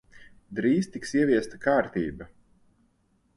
Drīz tiks ieviesta kārtība.